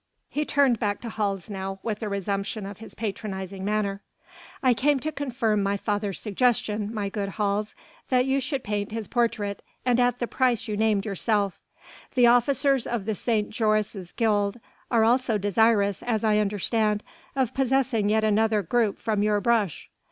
He turned back to Hals now with a resumption of his patronizing manner. "I came to confirm my father's suggestion, my good Hals, that you should paint his portrait and at the price you named yourself. The officers of St. Joris' Guild are also desirous, as I understand, of possessing yet another group from your brush."